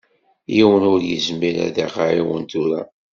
Yiwen ur izmir ad ɣ-iɛawen tura.